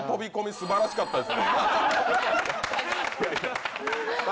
すばらしかったです。